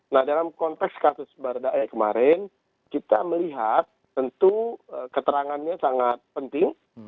nah dalam konteks kasus baradae kemarin kita melihat tentu keterangannya sangat penting